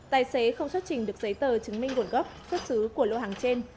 tài xế không xuất trình được giấy tờ chứng minh nguồn gốc xuất xứ của lô hàng trên